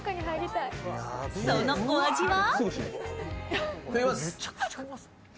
そのお味は？